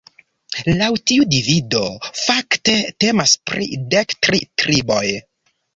Laŭ tiu divido fakte temas pri dek tri triboj.